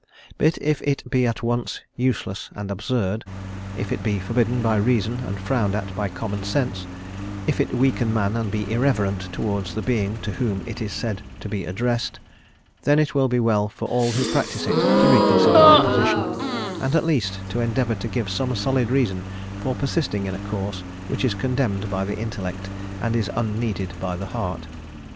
But if it be at once useless and absurd, if it be forbidden by reason and frowned at by common sense, if it weaken man and be irreverent towards the Being to whom it is said to be addressed, then it will be well for all who practise it to reconsider their position, and at least to endeavour to give some solid reason for persisting in a course which is condemned by the intellect and is unneeded by the heart.